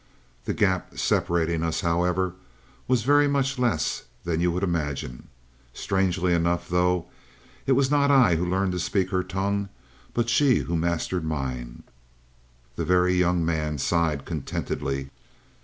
"The gap separating us, however, was very much less than you would imagine. Strangely enough, though, it was not I who learned to speak her tongue, but she who mastered mine." The Very Young Man sighed contentedly.